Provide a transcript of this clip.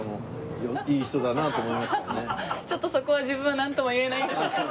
ちょっとそこは自分はなんとも言えないんですけど。